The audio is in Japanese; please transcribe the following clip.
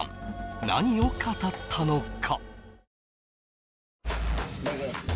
何を語ったのか？